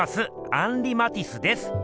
アンリ・マティスです。